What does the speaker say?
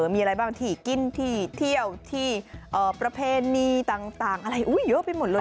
มีอะไรบ้างที่กินที่เที่ยวที่ประเพณีต่างอะไรเยอะไปหมดเลย